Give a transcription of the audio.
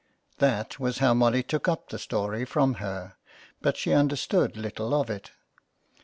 That was how Molly took up the story from her, but she understood little of it.